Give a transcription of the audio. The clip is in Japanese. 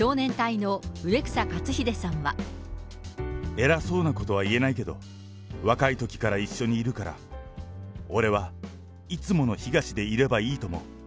偉そうなことは言えないけど、若いときから一緒にいるから、俺はいつものヒガシでいればいいと思う。